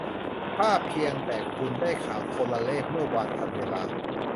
ถ้าเพียงแต่คุณได้ข่าวโทรเลขเมื่อวานทันเวลา